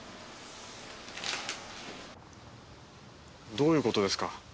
どういう事ですか？